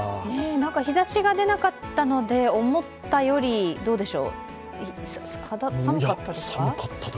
日ざしが出なかったので思ったより、どうでしょう、寒かったですか？